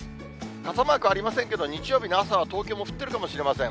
傘マークありませんけど、日曜日の朝は東京も降ってるかもしれません。